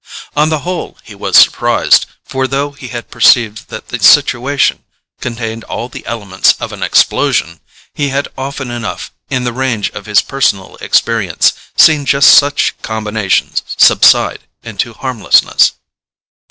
On the whole he was surprised; for though he had perceived that the situation contained all the elements of an explosion, he had often enough, in the range of his personal experience, seen just such combinations subside into harmlessness.